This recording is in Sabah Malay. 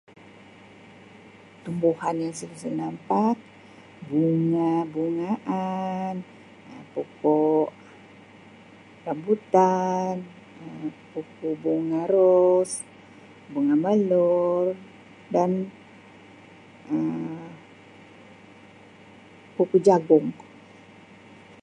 Tumbuhan yang selalu saya nampak, bunga-bungaan, Um pokok Rambutan, Um pokok bunga Ros, bunga Melur dan Um pokok Jagung.